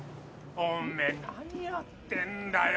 おめえ何やってんだよ